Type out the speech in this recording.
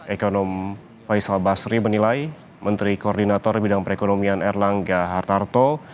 ekonom faisal basri menilai menteri koordinator bidang perekonomian erlangga hartarto